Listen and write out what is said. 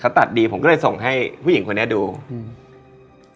ตัดดีผมก็เลยส่งให้ผู้หญิงคนนี้ดูอืม